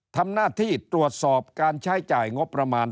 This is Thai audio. ทำหน้าที่ตรวจสอบการใช้จ่ายงบประมาณ